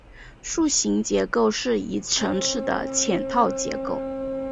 树形结构是一层次的嵌套结构。